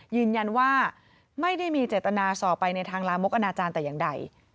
ยืนยันว่าไม่ได้มีเจตนาส่อไปในทางลามกอนาจารย์แต่อย่างใด